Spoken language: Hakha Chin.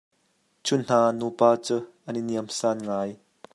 Cu hna nupa cu an i niamsan ngai.